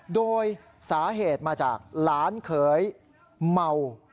โดยสาเหตุมาจากหลานเขยเมา